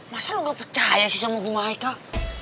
masa lo gak percaya sih sama gue michael